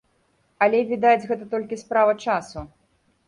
Але, відаць, гэта толькі справа часу.